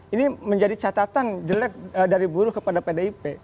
ini menjadi catatan jelek dari buruh kepada pdip